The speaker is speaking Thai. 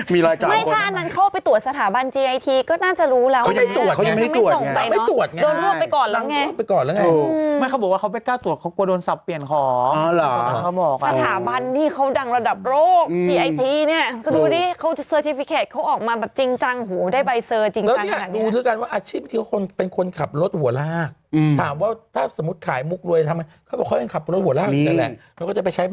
มีรอยจำคนไหมมีรอยจำคนไหมมีรอยจำคนไหมมีรอยจำคนไหมมีรอยจำคนไหมมีรอยจำคนไหมมีรอยจำคนไหมมีรอยจำคนไหมมีรอยจำคนไหมมีรอยจำคนไหมมีรอยจำคนไหมมีรอยจำคนไหมมีรอยจำคนไหมมีรอยจำคนไหม